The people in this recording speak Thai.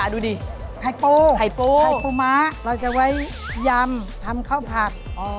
ดูดิไข่ปูไข่ปูมะเราจะไว้ยำทำข้าวผักอ๋อ